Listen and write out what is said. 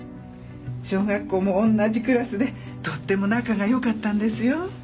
小学校も同じクラスでとっても仲が良かったんですよ。